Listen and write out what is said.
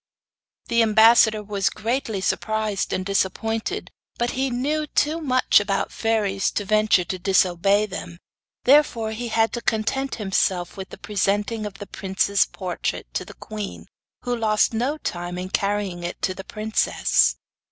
The ambassador was greatly surprised and disappointed, but he knew too much about fairies to venture to disobey them, therefore he had to content himself with presenting the prince's portrait to the queen, who lost no time in carrying it to the princess.